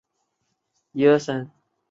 丝叶紫堇为罂粟科紫堇属下的一个种。